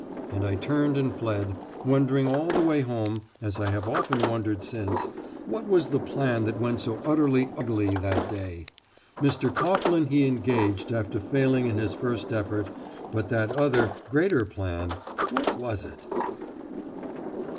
And I turned and fled, wondering all the way home, as I have often wondered since, what was the plan that went so utterly agley that day? Mr. Coghlan he engaged after failing in his first effort, but that other, greater plan; what was it?